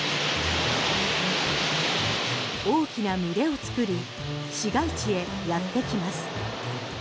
大きな群れを作り市街地へやってきます。